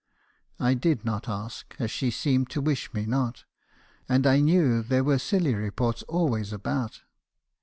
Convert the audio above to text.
"I did not ask, as she seemed to wish me not, and I knew there were silly reports always about.